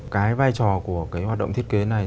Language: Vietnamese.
cái vai trò của cái hoạt động thiết kế này